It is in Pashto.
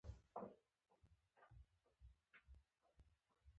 برهمنان او نوکران د موجود جسم له برخو نه جوړ شوي نه دي.